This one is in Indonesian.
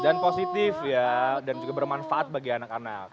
dan positif ya dan juga bermanfaat bagi anak anak